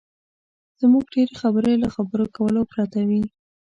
زموږ ډېرې خبرې له خبرو کولو پرته وي.